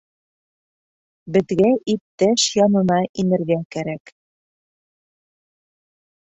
Беҙгә иптәш янына инергә кәрәк.